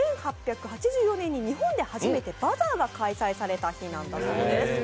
１８８４年に日本で初めてバザーが開催された日なんだそうです。